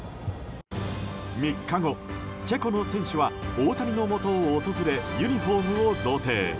３日後、チェコの選手は大谷のもとを訪れユニホームを贈呈。